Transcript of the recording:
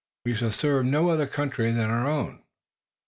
We shall serve no other country than our own."